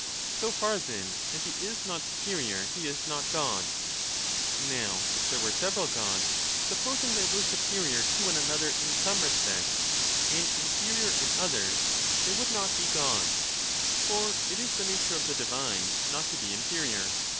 So far then as he is not superior, he is not God. Now if there were several gods, supposing they 3 were superior to one another in some respects and inferior in others, they would not be gods ; for it is the nature of the divine not to be inferior.